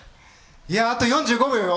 いやあと４５秒よ！